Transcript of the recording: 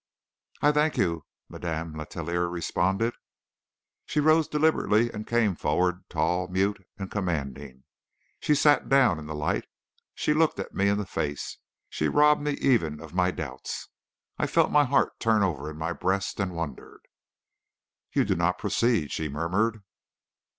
"I thank you," Madame Letellier responded. She rose deliberately and came forward, tall, mute and commanding. She sat down in the light; she looked me in the face; she robbed me even of my doubts. I felt my heart turn over in my breast and wondered. "You do not proceed," she murmured.